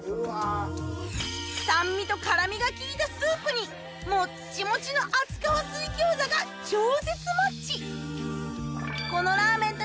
酸味と辛味が効いたスープにもっちもちの厚皮水餃子が超絶マッチ！